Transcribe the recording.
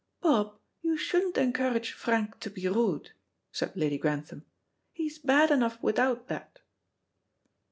"Bob, you shouldn't encourage Frank to be rude," said Lady Grantham. "He's bad enough without that."